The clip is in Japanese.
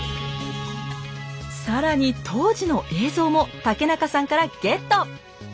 更に当時の映像も竹中さんからゲット！